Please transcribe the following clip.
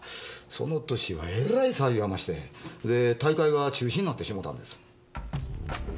その年はえらい騒ぎがおましてで大会が中止になってしもうたんです。